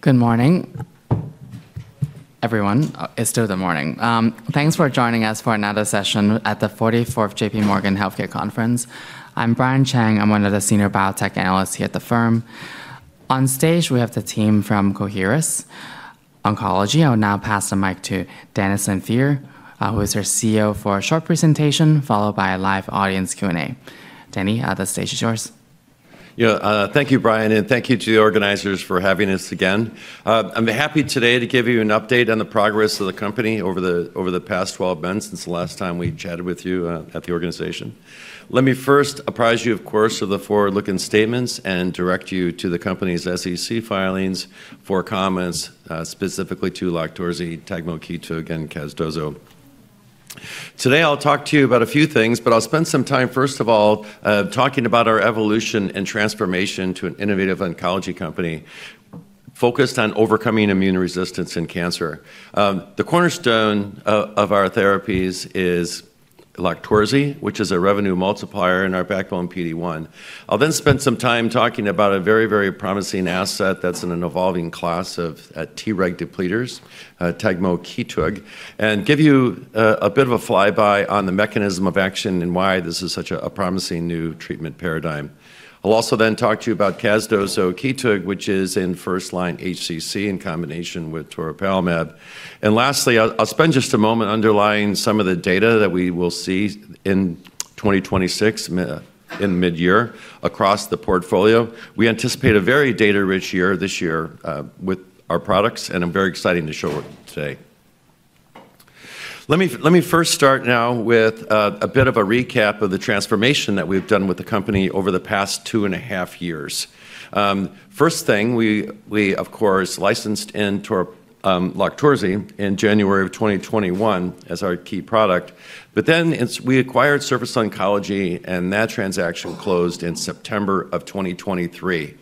Good morning, everyone. It's still the morning. Thanks for joining us for another session at the 44th JPMorgan healthcare conference. I'm Brian Cheng. I'm one of the Senior Biotech Analysts here at the firm. On stage, we have the team from Coherus Oncology. I will now pass the mic to Dennis Lanfear, who is our CEO, for a short presentation followed by a live audience Q&A. Denny, the stage is yours. Yeah, thank you, Brian, and thank you to the organizers for having us again. I'm happy today to give you an update on the progress of the company over the past 12 months since the last time we chatted with you at the organization. Let me first apprise you, of course, of the forward-looking statements and direct you to the company's SEC filings for comments specifically to LOQTORZI, tegmokitug, and Casdozo. Today, I'll talk to you about a few things, but I'll spend some time, first of all, talking about our evolution and transformation to an innovative oncology company focused on overcoming immune resistance and cancer. The cornerstone of our therapies is LOQTORZI, which is a revenue multiplier in our backbone PD-1. I'll then spend some time talking about a very, very promising asset that's in an evolving class of Treg depleters, tegmokitug, and give you a bit of a flyby on the mechanism of action and why this is such a promising new treatment paradigm. I'll also then talk to you about casdozokitug, which is in first-line HCC in combination with toripalimab. And lastly, I'll spend just a moment underlying some of the data that we will see in 2026, in the mid-year, across the portfolio. We anticipate a very data-rich year this year with our products, and I'm very excited to show it today. Let me first start now with a bit of a recap of the transformation that we've done with the company over the past two and a half years. First thing, we, of course, licensed LOQTORZI in January of 2021 as our key product, but then we acquired Surface Oncology, and that transaction closed in September of 2023.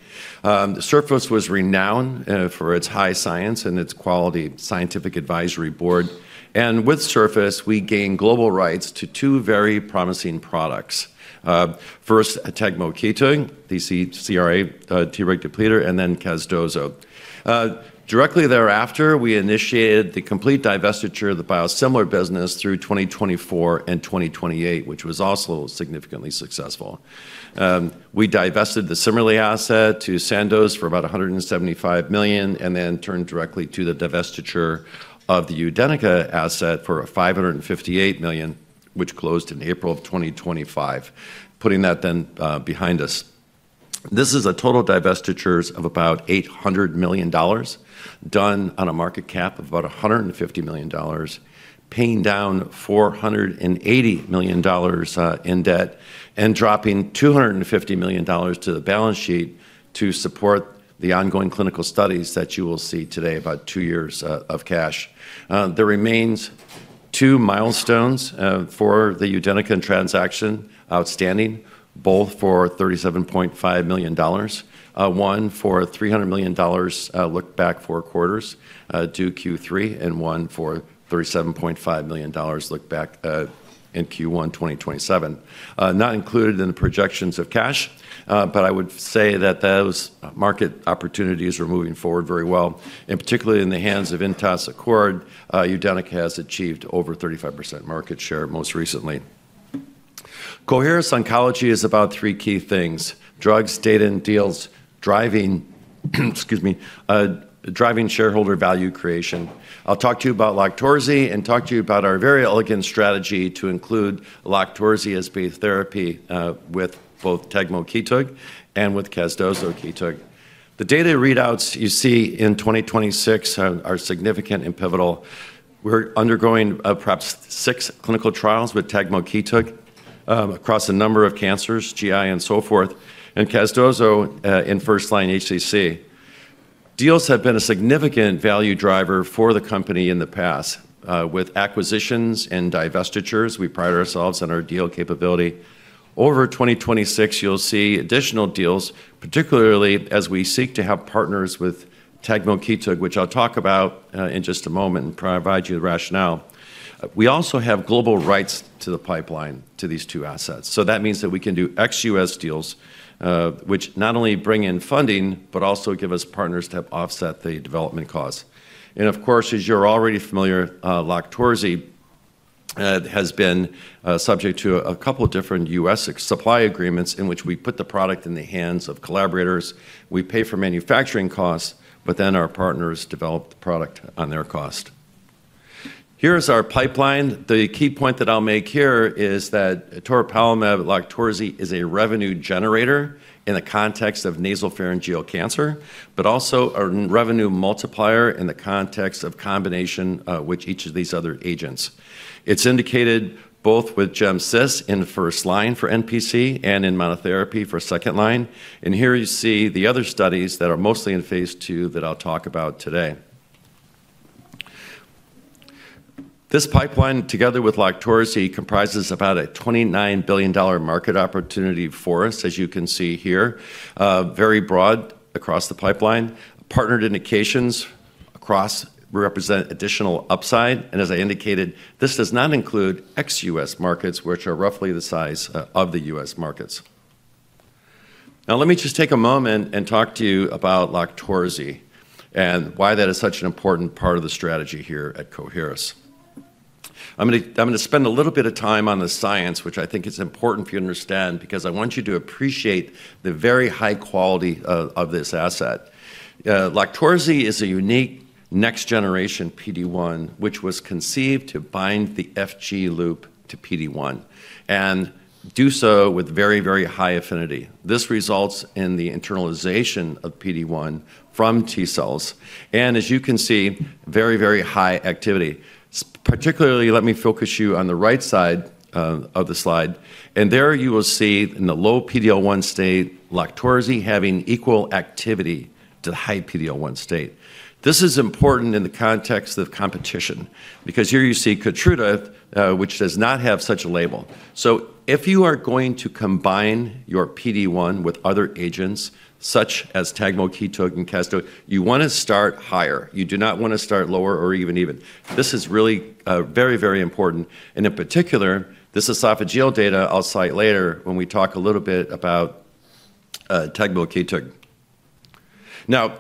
Surface was renowned for its high science and its quality scientific advisory board. And with Surface, we gained global rights to two very promising products. First, tegmokitug, the CCR8 Treg depleter, and then casdozokitug. Directly thereafter, we initiated the complete divestiture of the biosimilar business through 2024 and 2028, which was also significantly successful. We divested the Cimerli asset to Sandoz for about $175 million and then turned directly to the divestiture of the Udenyca asset for $558 million, which closed in April of 2025, putting that then behind us. This is a total divestitures of about $800 million done on a market cap of about $150 million, paying down $480 million in debt and dropping $250 million to the balance sheet to support the ongoing clinical studies that you will see today, about two years of cash. There remains two milestones for the Udenyca transaction outstanding, both for $37.5 million, one for $300 million look-back four quarters due Q3 and one for $37.5 million look-back in Q1 2027. Not included in the projections of cash, but I would say that those market opportunities are moving forward very well, and particularly in the hands of Intas Accord, Udenyca has achieved over 35% market share most recently. Coherus Oncology is about three key things: drugs, data, and deals, driving, excuse me, driving shareholder value creation. I'll talk to you about LOQTORZI and talk to you about our very elegant strategy to include LOQTORZI as base therapy with both tegmokitug and with casdozokitug. The data readouts you see in 2026 are significant and pivotal. We're undergoing perhaps six clinical trials with tegmokitug across a number of cancers, GI, and so forth, and casdozokitug in first-line HCC. Deals have been a significant value driver for the company in the past. With acquisitions and divestitures, we pride ourselves on our deal capability. Over 2026, you'll see additional deals, particularly as we seek to have partners with tegmokitug, which I'll talk about in just a moment and provide you the rationale. We also have global rights to the pipeline to these two assets. So that means that we can do ex-U.S. deals, which not only bring in funding, but also give us partners to help offset the development costs. And of course, as you're already familiar, LOQTORZI has been subject to a couple of different U.S. supply agreements in which we put the product in the hands of collaborators. We pay for manufacturing costs, but then our partners develop the product on their cost. Here is our pipeline. The key point that I'll make here is that toripalimab, LOQTORZI is a revenue generator in the context of nasopharyngeal cancer, but also a revenue multiplier in the context of combination with each of these other agents. It's indicated both with Gem/Cis in first line for NPC and in monotherapy for second line. And here you see the other studies that are mostly in phase 2 that I'll talk about today. This pipeline, together with LOQTORZI, comprises about a $29 billion market opportunity for us, as you can see here, very broad across the pipeline. Partnered indications across represent additional upside. As I indicated, this does not include ex-U.S. markets, which are roughly the size of the U.S. markets. Now, let me just take a moment and talk to you about LOQTORZI and why that is such an important part of the strategy here at Coherus. I'm going to spend a little bit of time on the science, which I think is important for you to understand, because I want you to appreciate the very high quality of this asset. LOQTORZI is a unique next-generation PD-1, which was conceived to bind the FG loop to PD-1 and do so with very, very high affinity. This results in the internalization of PD-1 from T cells. As you can see, very, very high activity. Particularly, let me focus you on the right side of the slide. There you will see in the low PD-1 state, LOQTORZI having equal activity to the high PD-1 state. This is important in the context of competition because here you see Keytruda, which does not have such a label. So if you are going to combine your PD-1 with other agents such as tegmokitug and Casdozo, you want to start higher. You do not want to start lower or even. This is really very, very important. In particular, this esophageal data I'll cite later when we talk a little bit about tegmokitug. Now,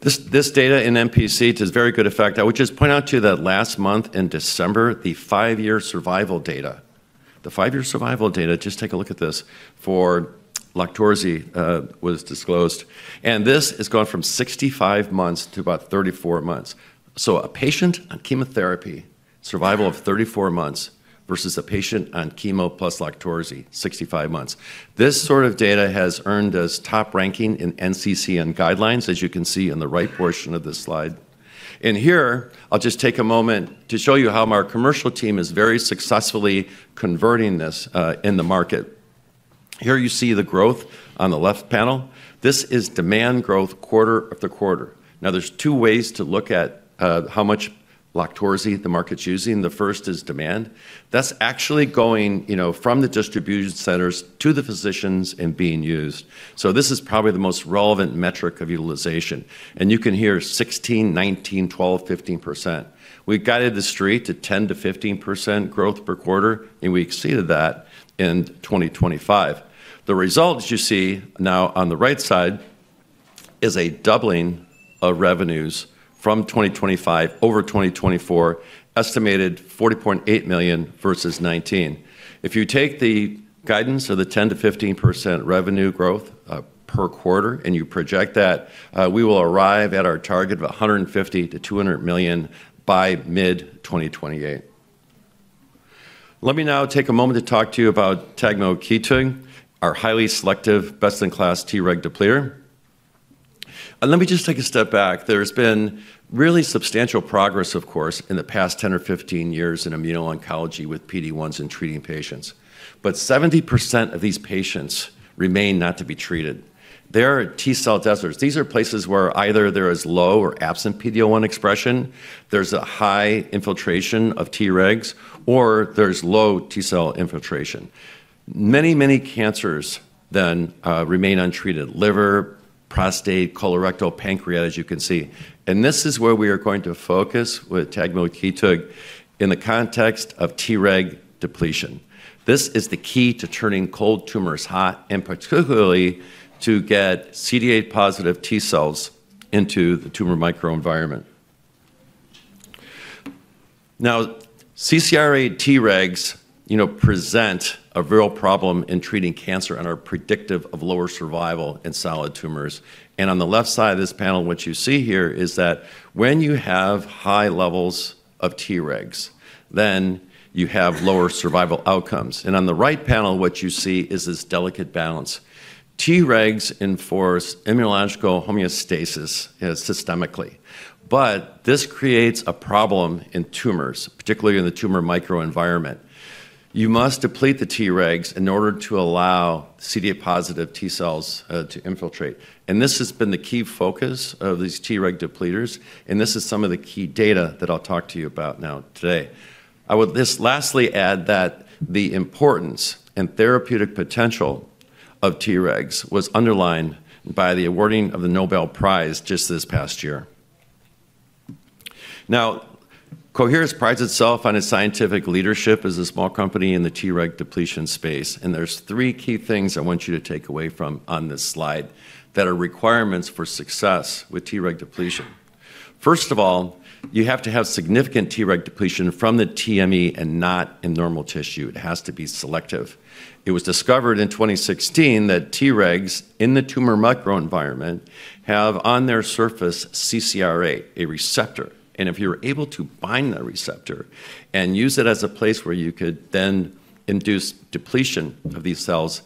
this data in NPC to very good effect. I would just point out to you that last month in December, the five-year survival data, just take a look at this for LOQTORZI was disclosed. This has gone from 65 months to about 34 months. So a patient on chemotherapy, survival of 34 months versus a patient on chemo plus LOQTORZI, 65 months. This sort of data has earned us top ranking in NCCN Guidelines, as you can see in the right portion of this slide. Here, I'll just take a moment to show you how our commercial team is very successfully converting this in the market. Here you see the growth on the left panel. This is demand growth quarter after quarter. Now, there's two ways to look at how much LOQTORZI the market's using. The first is demand. That's actually going from the distribution centers to the physicians and being used. So this is probably the most relevant metric of utilization. You can hear 16%, 19%, 12%, 15%. We guided the street to 10%-15% growth per quarter, and we exceeded that in 2025. The results you see now on the right side is a doubling of revenues from 2025 over 2024, estimated $40.8 million versus $19 million. If you take the guidance of the 10%-15% revenue growth per quarter and you project that, we will arrive at our target of $150 million-$200 million by mid-2028. Let me now take a moment to talk to you about tegmokitug, our highly selective, best-in-class Treg depleter, and let me just take a step back. There has been really substantial progress, of course, in the past 10 or 15 years in immuno-oncology with PD-1s in treating patients. But 70% of these patients remain not to be treated. They are T cell deserts. These are places where either there is low or absent PD-1 expression, there's a high infiltration of Tregs, or there's low T cell infiltration. Many, many cancers then remain untreated: liver, prostate, colorectal, pancreatic, as you can see. And this is where we are going to focus with tegmokitug in the context of Treg depletion. This is the key to turning cold tumors hot and particularly to get CD8+ T cells into the tumor microenvironment. Now, CCR8 Tregs present a real problem in treating cancer and are predictive of lower survival in solid tumors. On the left side of this panel, what you see here is that when you have high levels of Tregs, then you have lower survival outcomes. On the right panel, what you see is this delicate balance. Tregs enforce immunological homeostasis systemically. But this creates a problem in tumors, particularly in the tumor microenvironment. You must deplete the Tregs in order to allow CD8 positive T cells to infiltrate. This has been the key focus of these Treg depleters. This is some of the key data that I'll talk to you about now today. I would just lastly add that the importance and therapeutic potential of Tregs was underlined by the awarding of the Nobel Prize just this past year. Coherus prides itself on its scientific leadership as a small company in the Treg depletion space. And there are three key things I want you to take away from this slide that are requirements for success with Treg depletion. First of all, you have to have significant Treg depletion from the TME and not in normal tissue. It has to be selective. It was discovered in 2016 that Tregs in the tumor microenvironment have on their surface CCR8, a receptor. And if you are able to bind that receptor and use it as a place where you could then induce depletion of these cells,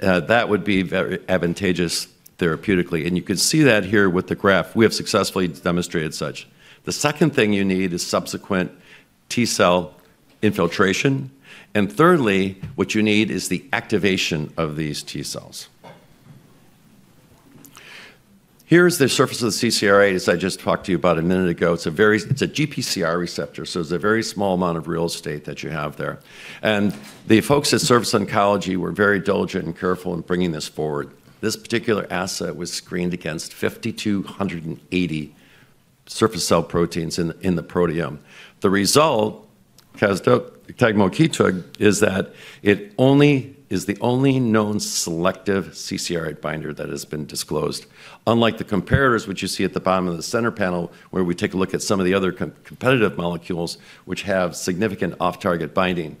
that would be very advantageous therapeutically. And you can see that here with the graph. We have successfully demonstrated such. The second thing you need is subsequent T cell infiltration. And thirdly, what you need is the activation of these T cells. Here is the surface of the CCR8, as I just talked to you about a minute ago. It's a GPCR receptor, so it's a very small amount of real estate that you have there. And the folks at Surface Oncology were very diligent and careful in bringing this forward. This particular asset was screened against 5,280 surface cell proteins in the proteome. The result, Casdozo, tegmokitug is that it is the only known selective CCR8 binder that has been disclosed, unlike the comparators, which you see at the bottom of the center panel, where we take a look at some of the other competitive molecules, which have significant off-target binding.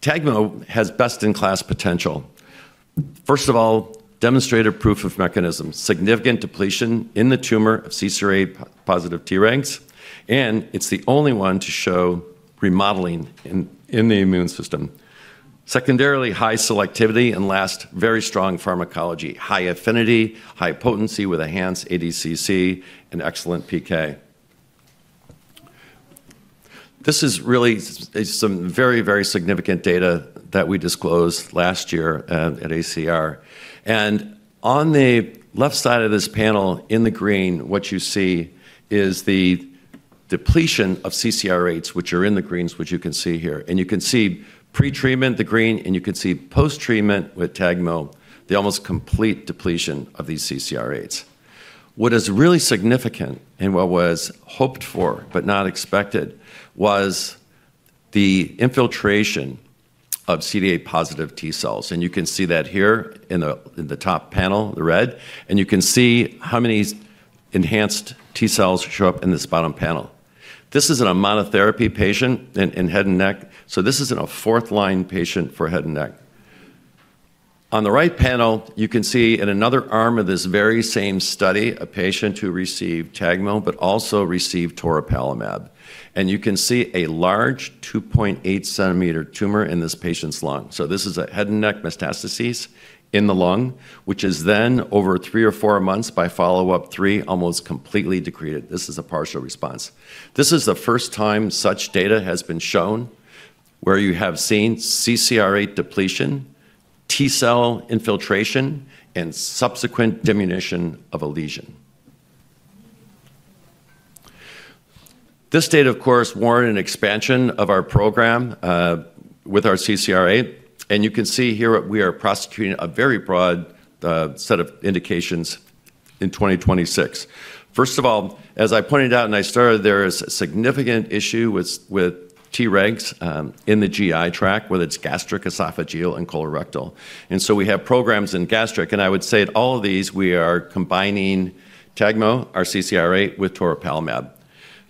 Tegmo has best-in-class potential. First of all, demonstrated proof of mechanism, significant depletion in the tumor of CCR8 positive Tregs, and it's the only one to show remodeling in the immune system. Secondarily, high selectivity and last, very strong pharmacology, high affinity, high potency with enhanced ADCC and excellent PK. This is really some very, very significant data that we disclosed last year at AACR. On the left side of this panel in the green, what you see is the depletion of CCR8s, which are in green, which you can see here. You can see pretreatment, the green, and you can see post-treatment with Tegmo, the almost complete depletion of these CCR8s. What is really significant and what was hoped for but not expected was the infiltration of CD8 positive T cells. You can see that here in the top panel, the red, and you can see how many enhanced T cells show up in this bottom panel. This is a first-line patient in head and neck, so this isn't a fourth-line patient for head and neck. On the right panel, you can see in another arm of this very same study, a patient who received Tegmo, but also received toripalimab. And you can see a large 2.8-cm tumor in this patient's lung. So this is a head and neck metastasis in the lung, which is then over three or four months by follow-up three, almost completely decreased. This is a partial response. This is the first time such data has been shown where you have seen CCR8 depletion, T cell infiltration, and subsequent diminution of a lesion. This data, of course, warranted an expansion of our program with our CCR8. And you can see here we are prosecuting a very broad set of indications in 2026. First of all, as I pointed out in my story, there is a significant issue with Tregs in the GI tract, whether it's gastric, esophageal, and colorectal. And so we have programs in gastric. And I would say at all of these, we are combining Tegmo, our CCR8, with toripalimab.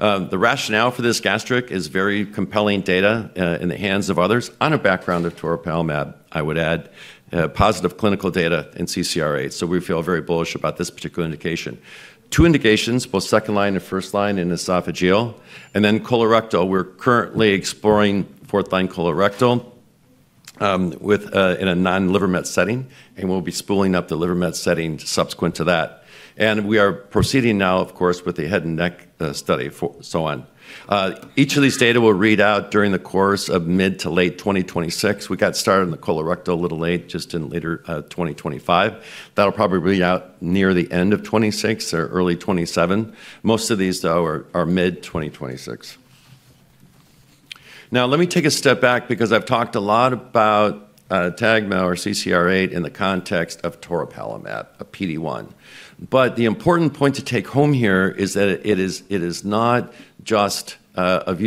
The rationale for this gastric is very compelling data in the hands of others on a background of toripalimab. I would add positive clinical data in CCR8. So we feel very bullish about this particular indication. Two indications, both second line and first line in esophageal, and then colorectal. We are currently exploring fourth line colorectal in a non-liver met setting, and we will be spooling up the liver met setting subsequent to that. And we are proceeding now, of course, with the head and neck study so on. Each of these data will read out during the course of mid to late 2026. We got started in the colorectal a little late, just in late 2025. That will probably read out near the end of 2026 or early 2027. Most of these, though, are mid-2026. Now, let me take a step back because I've talked a lot about Tegmo, our CCR8, in the context of toripalimab, a PD-1. But the important point to take home here is that it is not just of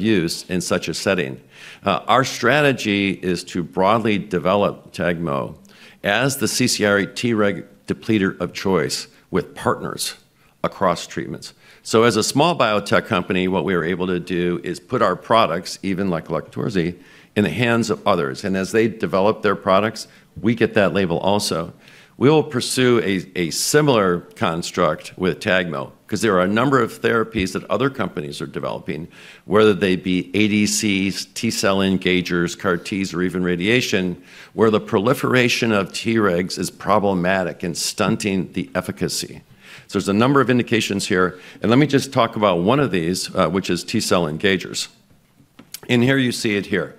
use in such a setting. Our strategy is to broadly develop Tegmo as the CCR8 Treg depleter of choice with partners across treatments. So as a small biotech company, what we are able to do is put our products, even like LOQTORZI, in the hands of others. And as they develop their products, we get that label also. We will pursue a similar construct with Tegmo because there are a number of therapies that other companies are developing, whether they be ADCs, T-cell engagers, CAR-Ts, or even radiation, where the proliferation of Tregs is problematic and stunting the efficacy. There's a number of indications here. And let me just talk about one of these, which is T cell engagers. And here you see it here.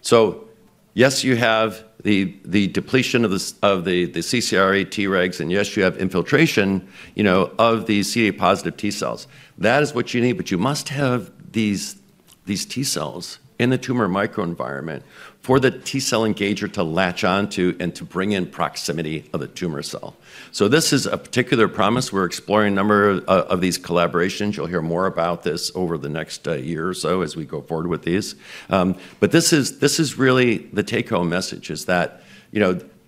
So yes, you have the depletion of the CCR8 Tregs, and yes, you have infiltration of the CD8 positive T cells. That is what you need, but you must have these T cells in the tumor microenvironment for the T cell engager to latch onto and to bring in proximity of a tumor cell. So this is a particular promise. We're exploring a number of these collaborations. You'll hear more about this over the next year or so as we go forward with these. But this is really the take-home message is that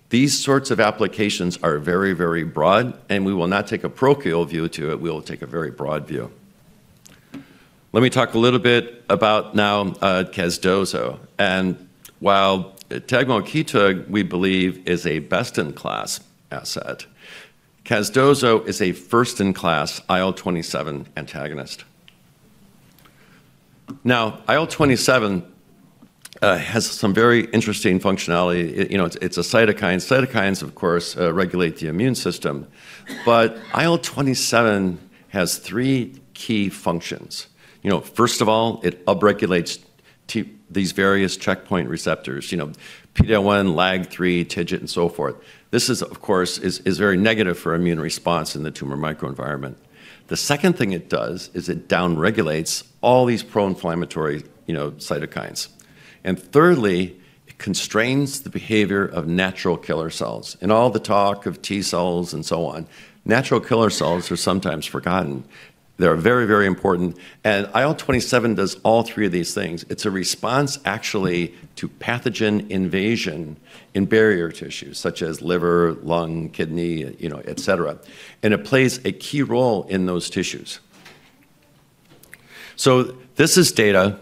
these sorts of applications are very, very broad, and we will not take a parochial view to it. We will take a very broad view. Let me talk a little bit about, now, Casdozo. While tegmokitug, we believe, is a best-in-class asset, Casdozo is a first-in-class IL-27 antagonist. Now, IL-27 has some very interesting functionality. It's a cytokine. Cytokines, of course, regulate the immune system. But IL-27 has three key functions. First of all, it upregulates these various checkpoint receptors, PD-1, LAG-3, TIGIT, and so forth. This is, of course, very negative for immune response in the tumor microenvironment. The second thing it does is it downregulates all these pro-inflammatory cytokines. And thirdly, it constrains the behavior of natural killer cells. And all the talk of T cells and so on, natural killer cells are sometimes forgotten. They're very, very important. And IL-27 does all three of these things. It's a response, actually, to pathogen invasion in barrier tissues, such as liver, lung, kidney, etc. It plays a key role in those tissues. This is data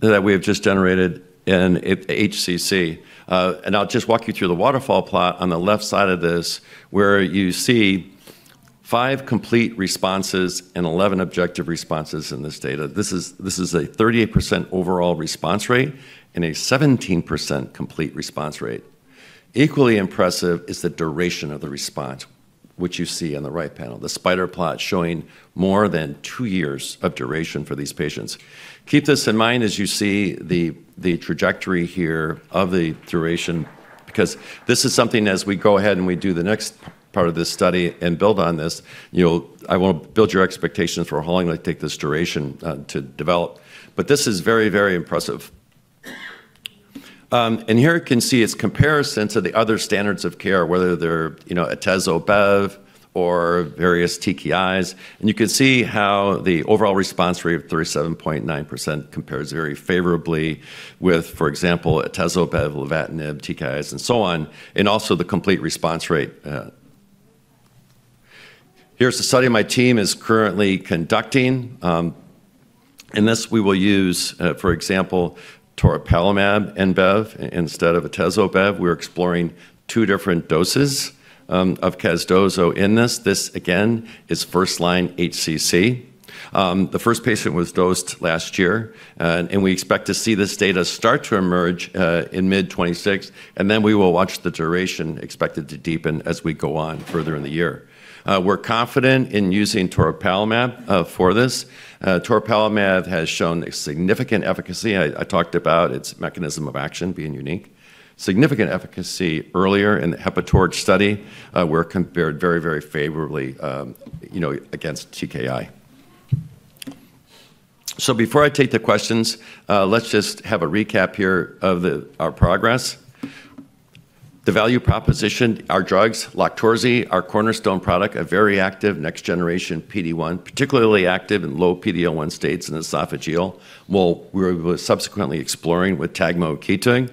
that we have just generated in HCC. I'll just walk you through the waterfall plot on the left side of this, where you see five complete responses and 11 objective responses in this data. This is a 38% overall response rate and a 17% complete response rate. Equally impressive is the duration of the response, which you see on the right panel, the spider plot showing more than two years of duration for these patients. Keep this in mind as you see the trajectory here of the duration, because this is something as we go ahead and we do the next part of this study and build on this, I want to build your expectations for how long it will take this duration to develop. This is very, very impressive. Here you can see its comparison to the other standards of care, whether they're Atezo/Bev or various TKIs. You can see how the overall response rate of 37.9% compares very favorably with, for example, Atezo/Bev, lenvatinib, TKIs, and so on, and also the complete response rate. Here's the study my team is currently conducting. In this, we will use, for example, toripalimab and bev instead of Atezo/Bev. We're exploring two different doses of Casdozo in this. This, again, is first-line HCC. The first patient was dosed last year, and we expect to see this data start to emerge in mid-2026. Then we will watch the duration expected to deepen as we go on further in the year. We're confident in using toripalimab for this. Toripalimab has shown a significant efficacy. I talked about its mechanism of action being unique. Significant efficacy earlier in the HEPATORCH study where it compared very, very favorably against TKI. Before I take the questions, let's just have a recap here of our progress. The value proposition, our drugs, LOQTORZI, our cornerstone product, a very active next-generation PD-1, particularly active in low PD-1 states in esophageal, we're subsequently exploring with tegmokitug.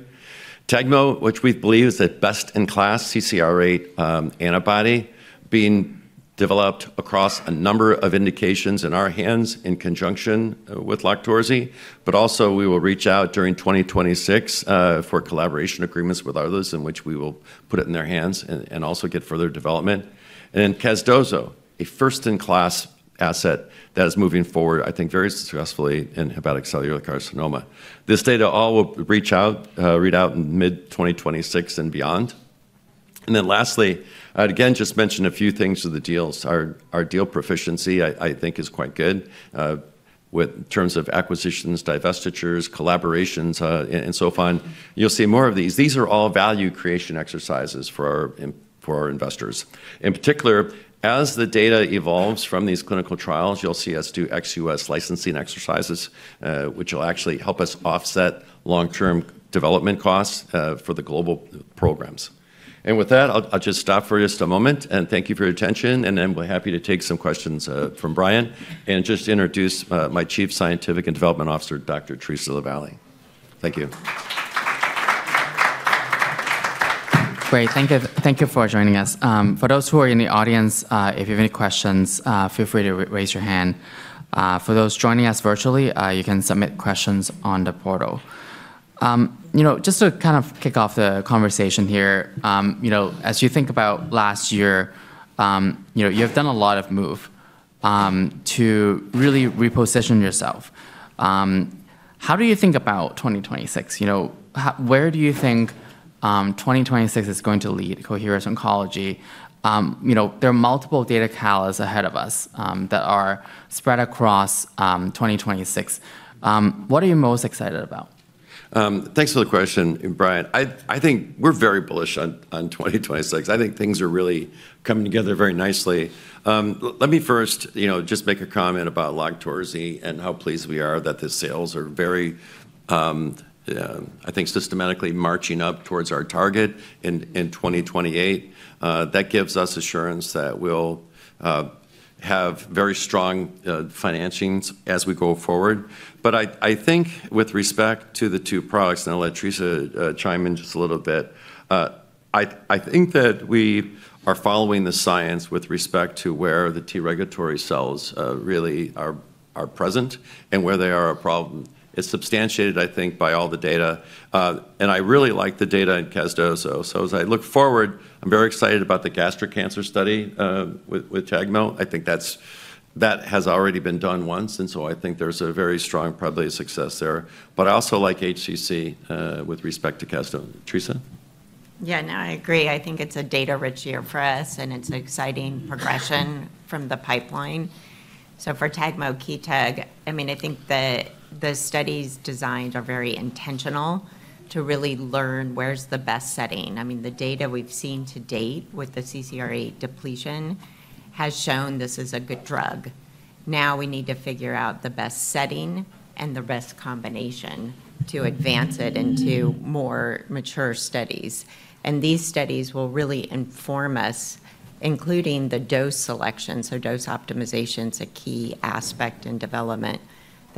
Tegmo, which we believe is the best-in-class CCR8 antibody, being developed across a number of indications in our hands in conjunction with LOQTORZI. But also, we will reach out during 2026 for collaboration agreements with others in which we will put it in their hands and also get further development. casdozokitug, a first-in-class asset that is moving forward, I think, very successfully in hepatocellular carcinoma. This data all will read out in mid-2026 and beyond. Lastly, I'd again just mention a few things of the deals. Our deal proficiency, I think, is quite good with terms of acquisitions, divestitures, collaborations, and so on. You'll see more of these. These are all value creation exercises for our investors. In particular, as the data evolves from these clinical trials, you'll see us do ex-U.S. licensing exercises, which will actually help us offset long-term development costs for the global programs. And with that, I'll just stop for just a moment and thank you for your attention. And then we're happy to take some questions from Brian and just introduce my Chief Scientific and Development Officer, Dr. Theresa LaVallee. Thank you. Great. Thank you for joining us. For those who are in the audience, if you have any questions, feel free to raise your hand. For those joining us virtually, you can submit questions on the portal. Just to kind of kick off the conversation here, as you think about last year, you have done a lot of moves to really reposition yourself. How do you think about 2026? Where do you think 2026 is going to lead Coherus Oncology? There are multiple data calls ahead of us that are spread across 2026. What are you most excited about? Thanks for the question, Brian. I think we're very bullish on 2026. I think things are really coming together very nicely. Let me first just make a comment about LOQTORZI and how pleased we are that the sales are very, I think, systematically marching up towards our target in 2028. That gives us assurance that we'll have very strong financings as we go forward. But I think with respect to the two products, and I'll let Theresa chime in just a little bit, I think that we are following the science with respect to where the T regulatory cells really are present and where they are a problem. It's substantiated, I think, by all the data. And I really like the data in Casdozo. So as I look forward, I'm very excited about the gastric cancer study with Tegmo. I think that has already been done once. And so I think there's a very strong probability of success there. But I also like HCC with respect to Casdozo. Yeah, no, I agree. I think it's a data-rich year for us, and it's an exciting progression from the pipeline. So for tegmokitug, I mean, I think the studies designed are very intentional to really learn where's the best setting. I mean, the data we've seen to date with the CCR8 depletion has shown this is a good drug. Now we need to figure out the best setting and the best combination to advance it into more mature studies. And these studies will really inform us, including the dose selection. So dose optimization is a key aspect in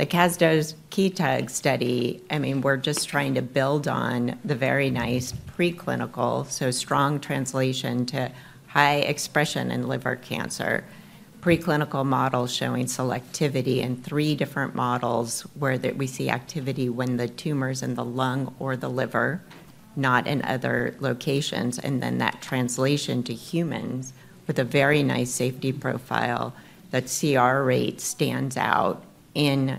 development. The casdozokitug study, I mean, we're just trying to build on the very nice preclinical, so strong translation to high expression in liver cancer, preclinical model showing selectivity in three different models where we see activity when the tumor is in the lung or the liver, not in other locations. And then that translation to humans with a very nice safety profile that CR rate stands out in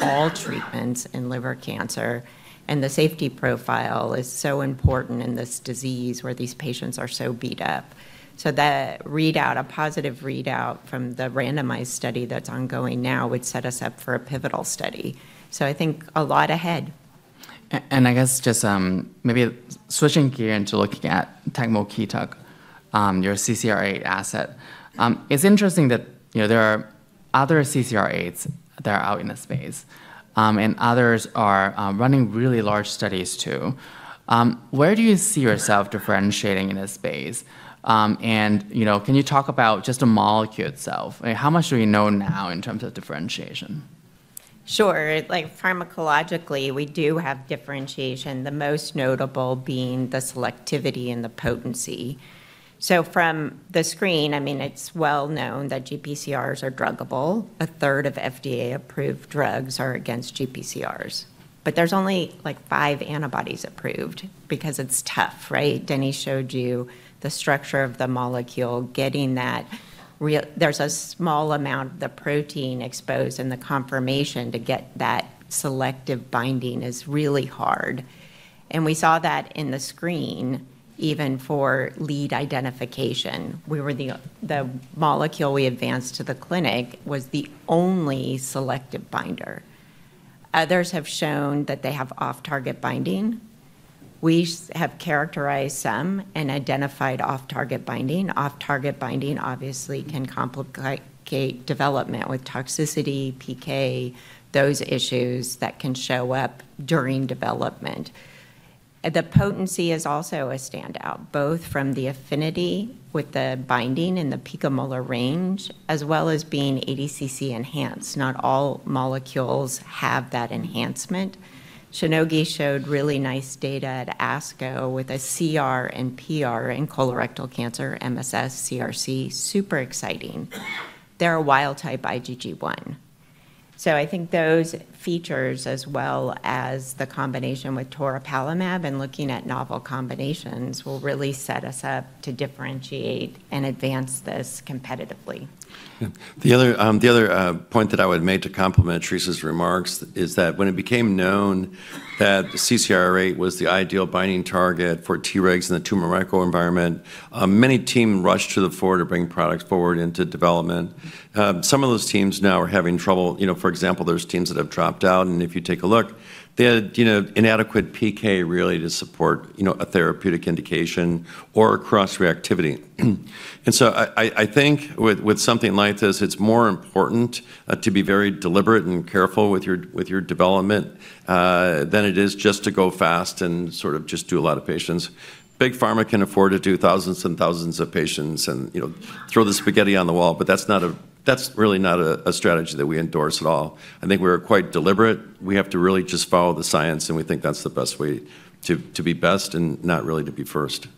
all treatments in liver cancer. And the safety profile is so important in this disease where these patients are so beat up. So that readout, a positive readout from the randomized study that's ongoing now would set us up for a pivotal study. So I think a lot ahead. I guess just maybe switching gears into looking at tegmokitug, your CCR8 asset. It's interesting that there are other CCR8s that are out in the space, and others are running really large studies too. Where do you see yourself differentiating in this space? And can you talk about just the molecule itself? How much do we know now in terms of differentiation? Sure. Pharmacologically, we do have differentiation, the most notable being the selectivity and the potency, so from the screen, I mean, it's well known that GPCRs are druggable, but there's only five antibodies approved because it's tough, right? Denny showed you the structure of the molecule. There's a small amount of the protein exposed, and the conformation to get that selective binding is really hard, and we saw that in the screen, even for lead identification. The molecule we advanced to the clinic was the only selective binder. Others have shown that they have off-target binding. We have characterized some and identified off-target binding. Off-target binding, obviously, can complicate development with toxicity, PK, those issues that can show up during development. The potency is also a standout, both from the affinity with the binding in the picomolar range, as well as being ADCC enhanced. Not all molecules have that enhancement. Shionogi showed really nice data at ASCO with a CR and PR in colorectal cancer, MSS CRC. Super exciting. They're a wild type IgG1. So I think those features, as well as the combination with toripalimab and looking at novel combinations, will really set us up to differentiate and advance this competitively. The other point that I would make to complement Theresa's remarks is that when it became known that the CCR8 was the ideal binding target for Tregs in the tumor microenvironment, many teams rushed to the fore to bring products forward into development. Some of those teams now are having trouble. For example, there's teams that have dropped out. And if you take a look, they had inadequate PK really to support a therapeutic indication or cross-reactivity. And so I think with something like this, it's more important to be very deliberate and careful with your development than it is just to go fast and sort of just do a lot of patients. Big pharma can afford to do thousands and thousands of patients and throw the spaghetti on the wall, but that's really not a strategy that we endorse at all. I think we're quite deliberate. We have to really just follow the science, and we think that's the best way to be best and not really to be first.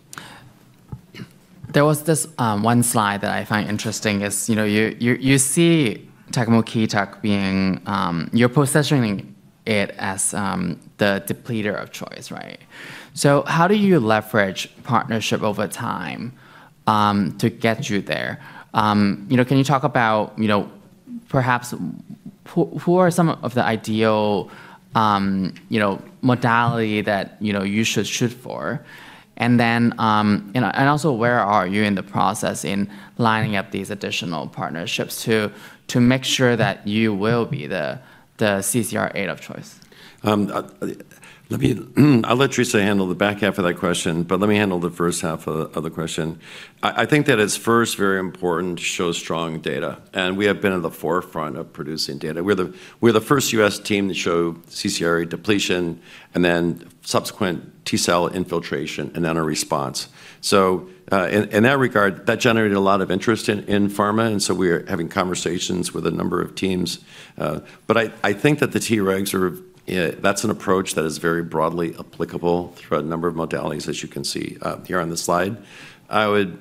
There was this one slide that I find interesting. You see tegmokitug being you're positioning it as the depleter of choice, right? So how do you leverage partnership over time to get you there? Can you talk about perhaps who are some of the ideal modality that you should shoot for? And also, where are you in the process in lining up these additional partnerships to make sure that you will be the CCR8 of choice? I'll let Theresa handle the back half of that question, but let me handle the first half of the question. I think that it's first very important to show strong data. And we have been at the forefront of producing data. We're the first U.S. team to show CCR8 depletion and then subsequent T-cell infiltration and then a response. So in that regard, that generated a lot of interest in pharma. And so we're having conversations with a number of teams. But I think that the Tregs, that's an approach that is very broadly applicable through a number of modalities, as you can see here on the slide. I would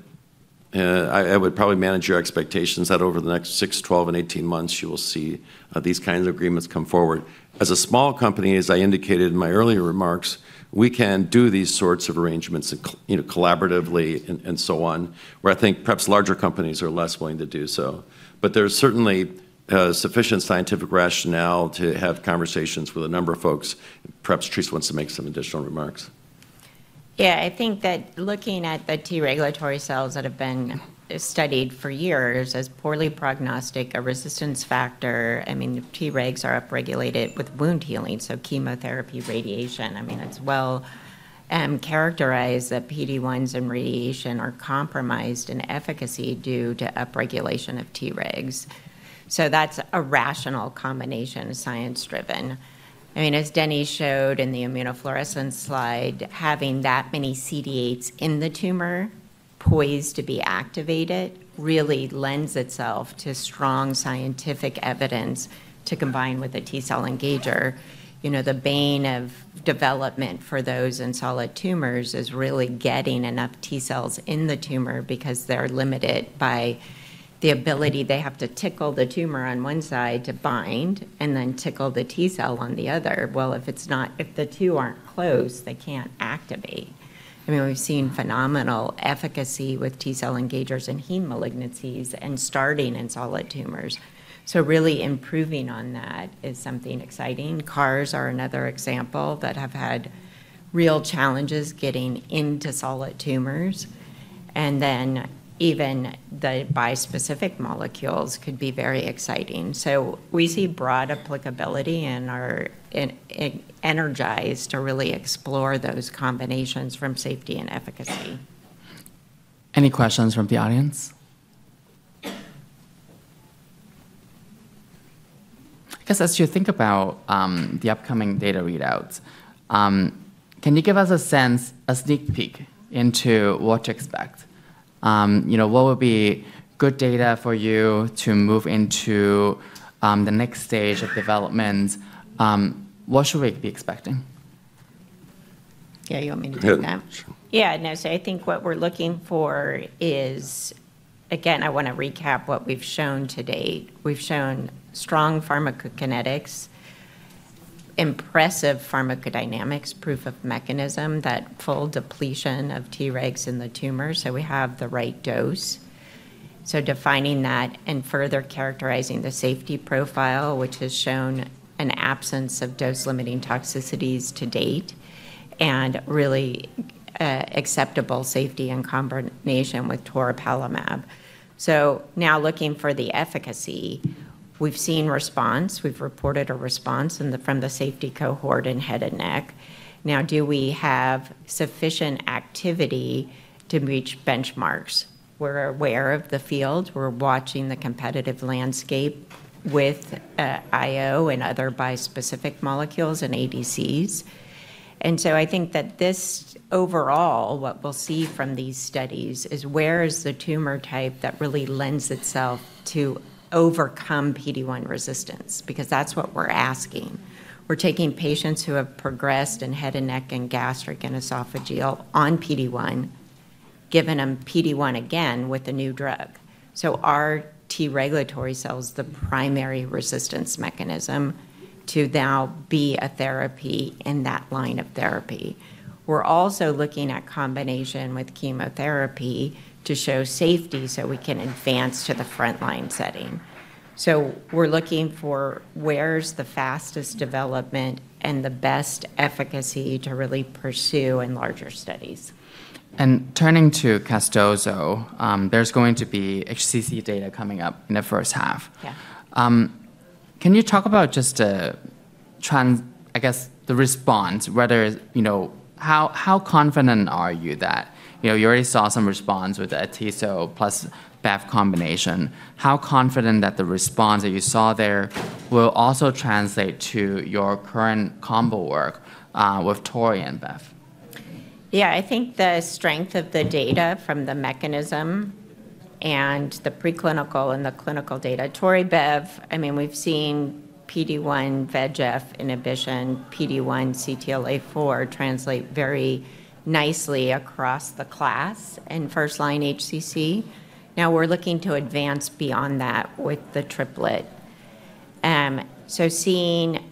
probably manage your expectations that over the next six, 12, and 18 months, you will see these kinds of agreements come forward. As a small company, as I indicated in my earlier remarks, we can do these sorts of arrangements collaboratively and so on, where I think perhaps larger companies are less willing to do so. But there's certainly sufficient scientific rationale to have conversations with a number of folks. Perhaps Theresa wants to make some additional remarks. Yeah, I think that looking at the T regulatory cells that have been studied for years as poorly prognostic, a resistance factor, I mean, Tregs are upregulated with wound healing, so chemotherapy, radiation. I mean, it's well characterized that PD-1s and radiation are compromised in efficacy due to upregulation of Tregs. So that's a rational combination, science-driven. I mean, as Denny showed in the immunofluorescence slide, having that many CD8s in the tumor poised to be activated really lends itself to strong scientific evidence to combine with a T-cell engager. The bane of development for those in solid tumors is really getting enough T-cells in the tumor because they're limited by the ability they have to tickle the tumor on one side to bind and then tickle the T-cell on the other. Well, if the two aren't close, they can't activate. I mean, we've seen phenomenal efficacy with T-cell engagers in heme malignancies and starting in solid tumors. So really improving on that is something exciting. CARS are another example that have had real challenges getting into solid tumors. And then even the bispecific molecules could be very exciting. So we see broad applicability and are energized to really explore those combinations from safety and efficacy. Any questions from the audience? I guess as you think about the upcoming data readouts, can you give us a sense, a sneak peek into what to expect? What would be good data for you to move into the next stage of development? What should we be expecting? Yeah, you want me to do that? Yeah, no. So I think what we're looking for is, again, I want to recap what we've shown to date. We've shown strong pharmacokinetics, impressive pharmacodynamics, proof of mechanism, that full depletion of Tregs in the tumor so we have the right dose. So defining that and further characterizing the safety profile, which has shown an absence of dose-limiting toxicities to date and really acceptable safety in combination with toripalimab. So now looking for the efficacy, we've seen response. We've reported a response from the safety cohort and head and neck. Now, do we have sufficient activity to reach benchmarks? We're aware of the field. We're watching the competitive landscape with IO and other bispecific molecules and ADCs. And so I think that this overall, what we'll see from these studies is where is the tumor type that really lends itself to overcome PD-1 resistance because that's what we're asking. We're taking patients who have progressed in head and neck and gastric and esophageal on PD-1, given them PD-1 again with a new drug. So our T regulatory cell is the primary resistance mechanism to now be a therapy in that line of therapy. We're also looking at combination with chemotherapy to show safety so we can advance to the frontline setting. So we're looking for where's the fastest development and the best efficacy to really pursue in larger studies. Turning to Casdozo, there's going to be HCC data coming up in the first half. Can you talk about just, I guess, the response, how confident are you that you already saw some response with the Atezo plus Bev combination? How confident that the response that you saw there will also translate to your current combo work with toripalimab and Bev? Yeah, I think the strength of the data from the mechanism and the preclinical and the clinical data. Atezo/Bev, I mean, we've seen PD-1, VEGF inhibition, PD-1, CTLA4 translate very nicely across the class in first-line HCC. Now we're looking to advance beyond that with the triplet. So seeing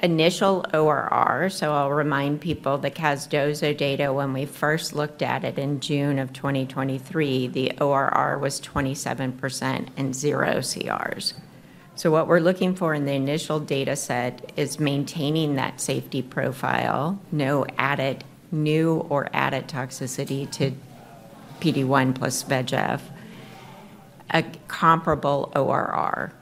initial ORR, so I'll remind people the Casdozo data when we first looked at it in June of 2023, the ORR was 27% and zero CRs. So what we're looking for in the initial data set is maintaining that safety profile, no added new or added toxicity to PD-1 plus VEGF, a comparable ORR.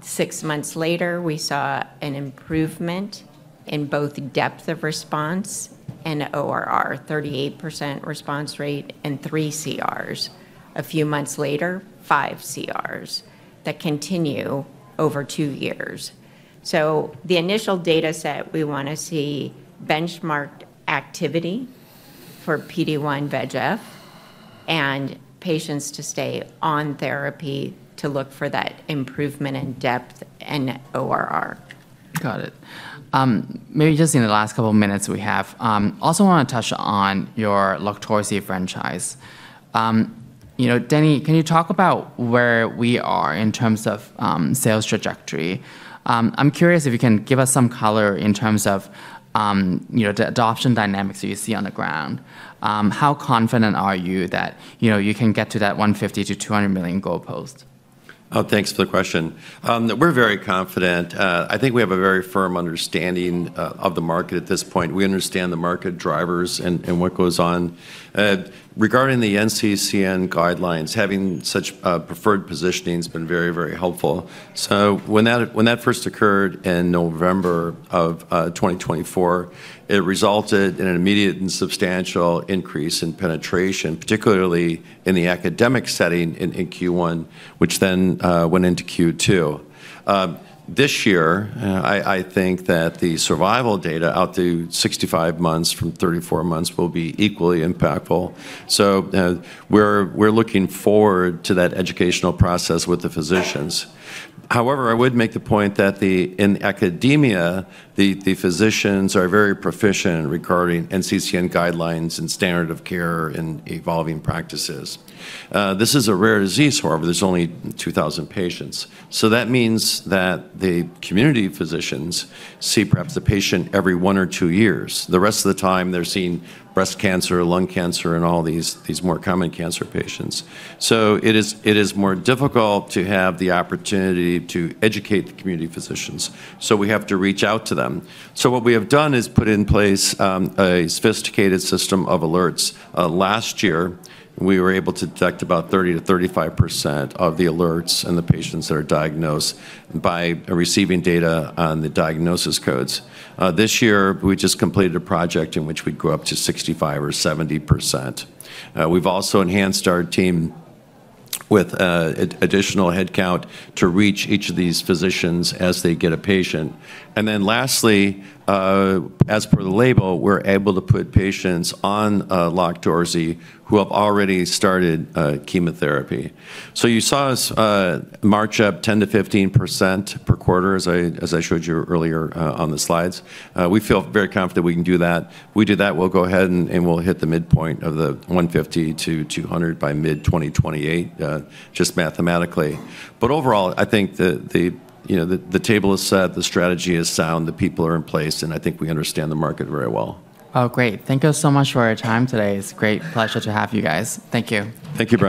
Six months later, we saw an improvement in both depth of response and ORR, 38% response rate and three CRs. A few months later, five CRs that continue over two years. So the initial data set, we want to see benchmarked activity for PD-1, VEGF, and patients to stay on therapy to look for that improvement in depth and ORR. Got it. Maybe just in the last couple of minutes we have, I also want to touch on your LOQTORZI franchise. Denny, can you talk about where we are in terms of sales trajectory? I'm curious if you can give us some color in terms of the adoption dynamics that you see on the ground. How confident are you that you can get to that $150 million-$200 million goal post? Oh, thanks for the question. We're very confident. I think we have a very firm understanding of the market at this point. We understand the market drivers and what goes on. Regarding the NCCN Guidelines, having such preferred positioning has been very, very helpful. So when that first occurred in November of 2024, it resulted in an immediate and substantial increase in penetration, particularly in the academic setting in Q1, which then went into Q2. This year, I think that the survival data out to 65 months from 34 months will be equally impactful. So we're looking forward to that educational process with the physicians. However, I would make the point that in academia, the physicians are very proficient regarding NCCN Guidelines and standard of care and evolving practices. This is a rare disease, however. There's only 2,000 patients. That means that the community physicians see perhaps the patient every one or two years. The rest of the time, they're seeing breast cancer, lung cancer, and all these more common cancer patients. It is more difficult to have the opportunity to educate the community physicians. We have to reach out to them. What we have done is put in place a sophisticated system of alerts. Last year, we were able to detect about 30%-35% of the alerts and the patients that are diagnosed by receiving data on the diagnosis codes. This year, we just completed a project in which we grew up to 65% or 70%. We've also enhanced our team with additional headcount to reach each of these physicians as they get a patient. And then lastly, as per the label, we're able to put patients on LOQTORZI who have already started chemotherapy. So you saw us march up 10%-15% per quarter, as I showed you earlier on the slides. We feel very confident we can do that. We do that, we'll go ahead and we'll hit the midpoint of the 150-200 by mid-2028, just mathematically. But overall, I think the table is set, the strategy is sound, the people are in place, and I think we understand the market very well. Oh, great. Thank you so much for your time today. It's a great pleasure to have you guys. Thank you. Thank you, Brian.